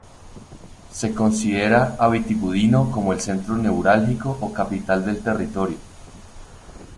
Se considera a Vitigudino como el centro neurálgico o capital del territorio.